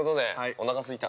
おなかすいた。